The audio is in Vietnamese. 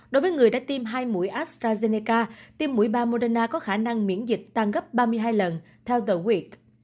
đối với người đã tiêm hai mũi astrazeneca tiêm mũi ba moderna có khả năng miễn dịch tăng gấp ba mươi hai lần theo tờ nguyệt